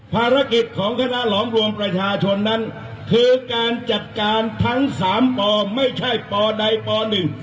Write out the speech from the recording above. ภารกิจของคณะหลอมรวมประชาชนนั้นคือการจัดการทั้งสามปไม่ใช่ปใดปหนึ่ง